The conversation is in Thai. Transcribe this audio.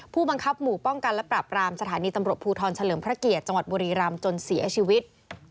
ผู้บังคับหมู่ป้องกันและปรับรามสถานีตำรวจภูทรเฉลิมพระเกียรติจังหวัดบุรีรำจนเสียชีวิต